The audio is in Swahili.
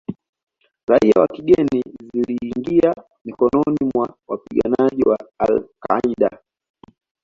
raia wa kigeni ziliingia mikononi mwa wapiganaji wa Al Qaeda